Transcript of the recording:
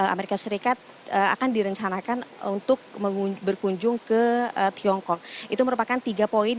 amerika serikat akan direncanakan untuk berkunjung ke tiongkok itu merupakan tiga poin